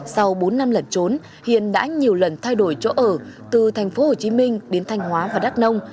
sau bốn năm lẩn trốn hiền đã nhiều lần thay đổi chỗ ở từ thành phố hồ chí minh đến thanh hóa và đắk nông